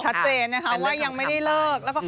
ชัดเจนนะคะว่ายังไม่ได้เลิก